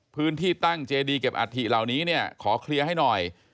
พื้นที่ตั้งเจดีเก็บอัฐิเหล่านี้เนี่ยขอเคลียร์ให้หน่อย